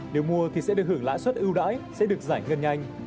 nếu mua thì sẽ được hưởng lãi suất ưu đãi sẽ được giải ngân nhanh